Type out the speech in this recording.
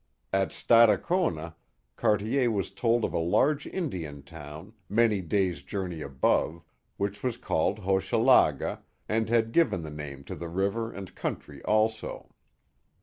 At Stadacona, Cartier was told of a large Indian town, many days* journey above, which was called Hochelaga, and had given the name to the river and country also.